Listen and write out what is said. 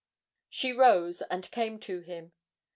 She rose and came to him.